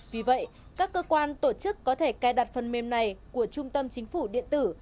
vì vậy các cơ quan tổ chức có thể cài đặt phần mềm này của trung tâm chính phủ điện tử